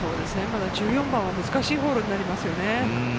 １４番は難しいホールになりますよね。